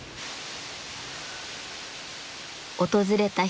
訪れた人